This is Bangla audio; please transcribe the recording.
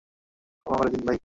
ক্ষমা করে দিন ভাই।